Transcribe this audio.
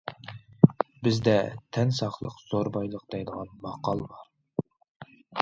‹‹ بىزدە تەن ساقلىق زور بايلىق›› دەيدىغان ماقال بار.